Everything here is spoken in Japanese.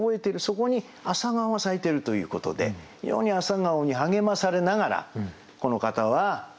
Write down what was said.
そこに朝顔が咲いてるということで非常に朝顔に励まされながらこの方は住み込みをしてですね